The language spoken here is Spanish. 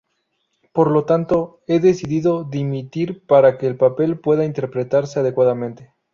Por lo tanto, he decidido dimitir, para que el papel pueda interpretarse adecuadamente".